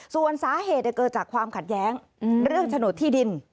ส่วนสาเหตุเกิดจากความขัดแย้งเรื่องโฉนดที่ดิน